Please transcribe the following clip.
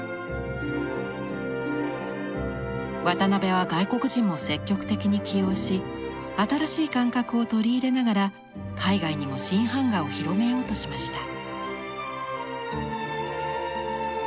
渡邊は外国人も積極的に起用し新しい感覚を取り入れながら海外にも新版画を広めようとしました。